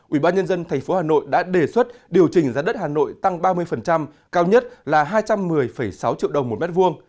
ubnd tp hà nội đã đề xuất điều chỉnh giá đất hà nội tăng ba mươi cao nhất là hai trăm một mươi sáu triệu đồng một mét vuông